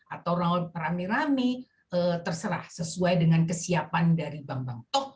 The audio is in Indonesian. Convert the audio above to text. atau rame rame terserah sesuai dengan kesiapan dari bambang tok